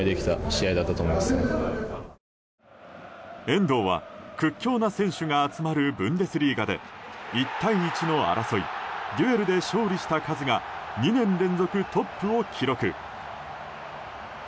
遠藤は屈強な選手が集まるブンデスリーガで１対１の争いデュエルで成功した数が２年連続トップを記録。